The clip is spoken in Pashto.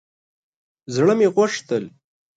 زړه مې غوښتل